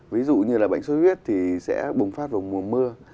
ví dụ như là bệnh xuất huyết thì sẽ bùng phát vào mùa mưa